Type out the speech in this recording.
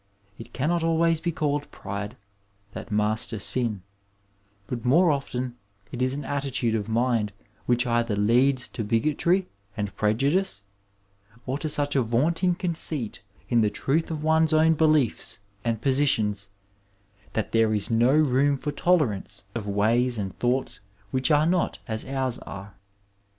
It cannot always be called pride, that master sin, but more often it is an attitude of mind which either leads to bigotry and prejudice or to such a vaunting conceit in the truth of one's own be liefs and positions, that there is no room for tolerance of ways and thoughts which are not as ours are.